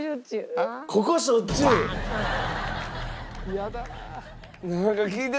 嫌だなあ。